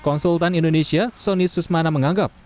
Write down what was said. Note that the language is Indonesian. konsultan indonesia sony susmana menganggap